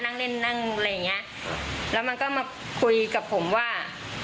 นั่งเล่นนั่งอะไรอย่างเงี้ยแล้วมันก็มาคุยกับผมว่า